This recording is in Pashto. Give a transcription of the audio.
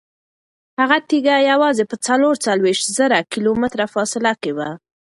هغه تیږه یوازې په څلور څلوېښت زره کیلومتره فاصله کې وه.